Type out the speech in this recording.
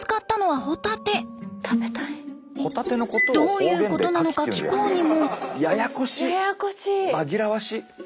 どういうことなのか聞こうにも。